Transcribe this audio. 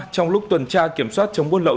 trong lúc tuần tra kiểm soát chống quân lậu